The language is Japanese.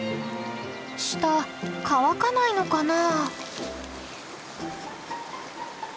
舌乾かないのかな？